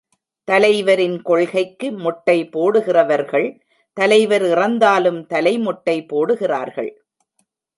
தலைவரின் கொள்கைக்கு மொட்டை போடுகிறவர்கள், தலைவர் இறந்தாலும் தலை மொட்டை போடுகிறார்கள்.